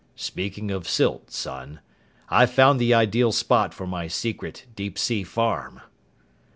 "Speaking of silt, son, I've found the ideal spot for my secret deep sea farm."